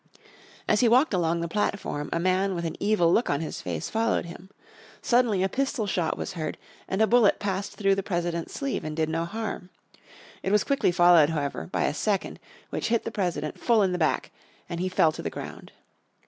As he walked along the platform a man with an evil look on his face followed him. Suddenly a pistol shot was heard, and a bullet passed through the President's sleeve, and did no harm. It was quickly followed, however, by a second, which hit the President full in the back, and he fell to the ground.